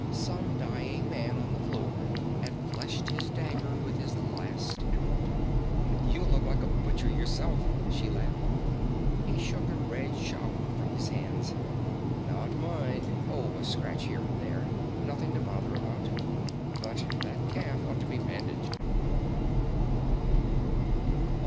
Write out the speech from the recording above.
Some dying man on the floor had fleshed his dagger with his last effort. "You look like a butcher yourself," she laughed. He shook a red shower from his hands. "Not mine. Oh, a scratch here and there. Nothing to bother about. But that calf ought to be bandaged."